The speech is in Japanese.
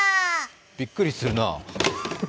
びっくりするな。